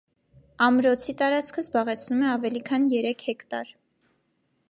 Ամրոցի տարածքը զբաղեցնում է ավելի քան երեք հեկտար։